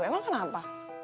emang aku yang nyuci baju itu